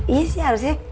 iya sih harusnya